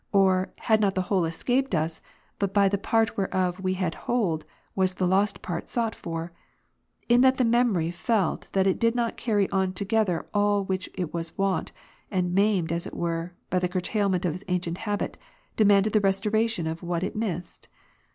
Or, had not the whole escaped us, but by the part whereof we had hold, was the lost part sought for; in that the memory felt that it did not carry on together all which it was wont, and maimed, as it were, by the curtailment of its ancient habit, demanded the restoration of what it missed